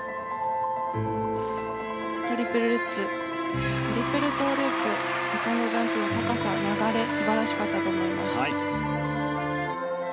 トリプルルッツトリプルトウループセカンドジャンプの高さ、流れ素晴らしかったと思います。